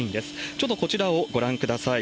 ちょっとこちらをご覧ください。